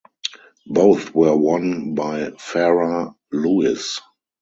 Both were won by Farah Louis.